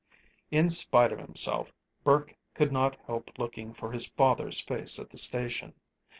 In spite of himself, Burke could not help looking for his father's face at the station.